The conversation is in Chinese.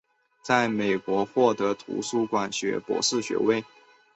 在美国获得图书馆学博士学位。